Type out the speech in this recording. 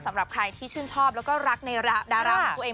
สำหรับใครที่ชื่นชอบแล้วก็รักในดาราของตัวเอง